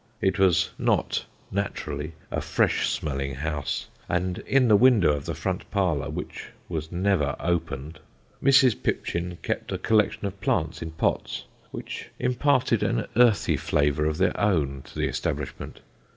It was not, naturally, a fresh smelling house; and in the window of the front parlour, which was never opened, Mrs. Pipchin kept a collection of plants in pots, which imparted an earthy flavour of their own to the establishment.